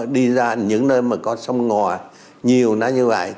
đi ra những nơi mà có sông ngòa nhiều nó như vậy